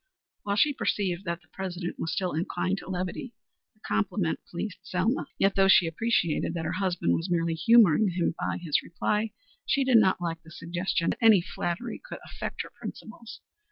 While she perceived that the President was still inclined to levity, the compliment pleased Selma. Yet, though she appreciated that her husband was merely humoring him by his reply, she did not like the suggestion that any flattery could affect her principles.